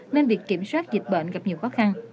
nên việc kiểm soát dịch bệnh gặp nhiều khó khăn